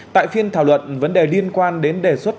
tại phiên thảo luận vấn đề liên quan đến đề xuất